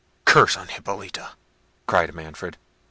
"Curse on Hippolita!" cried Manfred.